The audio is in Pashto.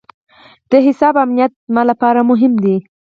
د حساب امنیت زما لپاره مهم دی.